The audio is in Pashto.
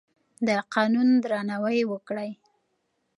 د قانون درناوی وکړئ.